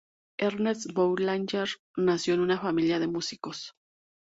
Ernest Boulanger nació en una familia de músicos.